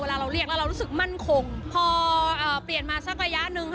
เราเรียกแล้วเรารู้สึกมั่นคงพอเปลี่ยนมาสักระยะหนึ่ง